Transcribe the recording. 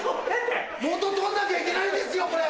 元取んなきゃいけないんですよこれ！